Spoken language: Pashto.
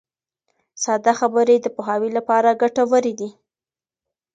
ساده خبرې د پوهاوي لپاره ګټورې دي.